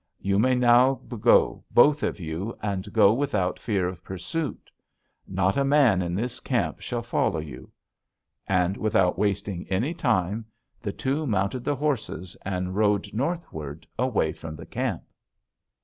You may go now, both of you, and go without fear of pursuit: not a man in this camp shall follow you!' And without wasting any time the two mounted the horses and rode northward away from the camp.